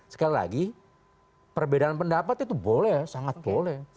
sekali lagi perbedaan pendapat itu boleh sangat boleh